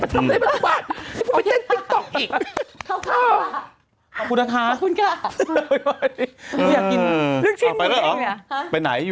เธอฟังมดดำหน่อย